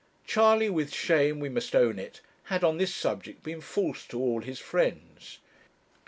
Charley, with shame we must own it, had on this subject been false to all his friends.